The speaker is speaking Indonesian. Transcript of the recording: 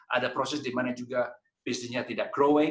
ada proses di mana juga bisnisnya tidak growing